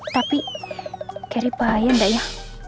tapi kerry bahaya enggak ya